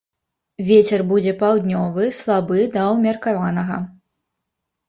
Вецер будзе паўднёвы, слабы да ўмеркаванага.